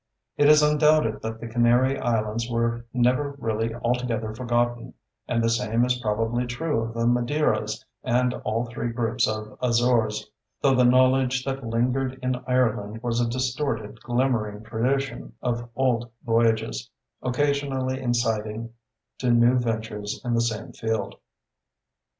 It is undoubted that the Canary Islands were never really altogether forgotten, and the same is probably true of the Madeiras and all three groups of Azores, though the knowledge that lingered in Ireland was a distorted glimmering tradition of old voyages, occasionally inciting to new ventures in the same field.